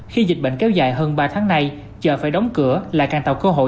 khi dịch bệnh kéo dài hơn ba tháng nay chợ phải đóng cửa là càng tạo cơ hội